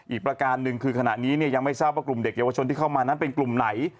อีกประการหนึ่งคือขณะนี้ยังไม่ทราบว่ากลุ่มเด็กเยาวชนที่เข้ามานั้นเป็นกลุ่มไหน